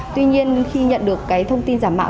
tuy nhiên khi nhận được thông tin giả mạo